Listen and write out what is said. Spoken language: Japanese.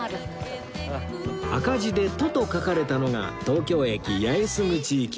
赤字で「ト」と書かれたのが東京駅八重洲口行き